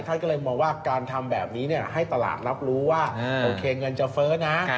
ท่านก็เลยมองว่าการทำแบบนี้ให้ตลาดรับรู้ว่าโอเคเงินจะเฟ้อนะ